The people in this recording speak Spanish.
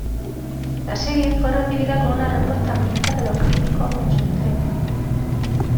La serie fue recibida con una respuesta mixta de los críticos en su estreno.